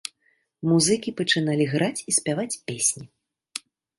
Музыкі пачыналі граць і спяваць песні.